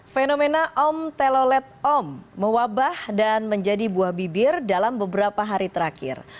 fenomena om telolet om mewabah dan menjadi buah bibir dalam beberapa hari terakhir